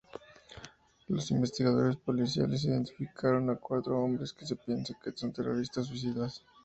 Los investigadores policiales identificaron a cuatro hombres que se piensa que son terroristas suicidas.